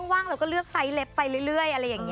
ว่างเราก็เลือกไซซ์เล็บไปเรื่อย